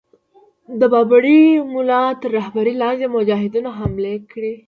د بابړي مُلا تر رهبری لاندي مجاهدینو حملې کړې.